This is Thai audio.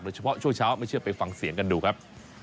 โดยเฉพาะเช่าไว้เชื่อไปฟังเสียงกันดูครับ